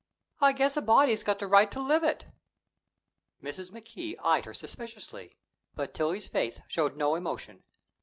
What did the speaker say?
I guess a body's got the right to live it." Mrs. McKee eyed her suspiciously, but Tillie's face showed no emotion.